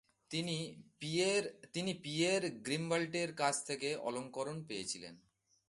তিনি পিয়ের গ্রিম্বল্টের কাছ থেকে অলঙ্করণ পেয়েছিলেন।